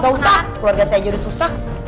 gak usah keluarga saya aja udah susah